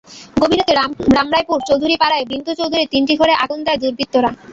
গভীর রাতে রামরায়পুর চৌধুরীপাড়ার বিন্দু চৌধুরীর তিনটি ঘরে আগুন দেয় দুর্বৃত্তরা।